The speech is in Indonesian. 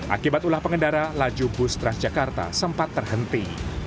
akibat ulah pengendara laju bus transjakarta sempat terhenti